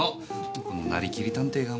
このなりきり探偵がもう。